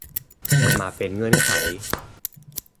มาเป็นเงื่อนไข